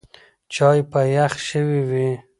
چای به یخ شوی وي.